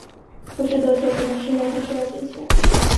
浮士德球可在室内或室外进行。